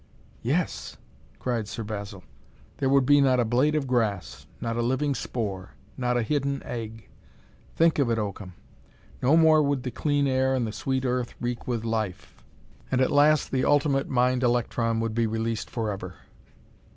"Yes!" cried Sir Basil. "There would be not a blade of grass, not a living spore, not a hidden egg! Think of it, Oakham! No more would the clean air and the sweet earth reek with life, and at last the ultimate mind electron would be released forever."